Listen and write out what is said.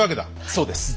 そうです。